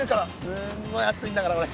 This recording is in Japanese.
すんごい熱いんだからこれ。